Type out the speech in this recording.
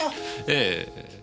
ええ。